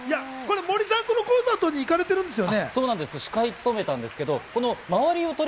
森さん、このコンサートに行かれてるんですよね。